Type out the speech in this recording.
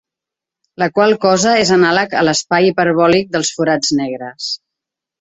La qual cosa és anàleg a l'espai hiperbòlic dels forats negres.